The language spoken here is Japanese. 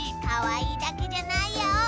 かわいいだけじゃないよ。